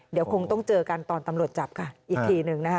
เดี๋ยวคงต้องเจอกันตอนตำรวจจับค่ะอีกทีหนึ่งนะคะ